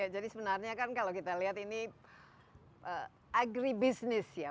jadi sebenarnya kan kalau kita lihat ini agribusiness ya